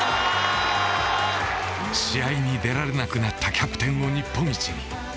試合に出られなくなったキャプテンを日本一に。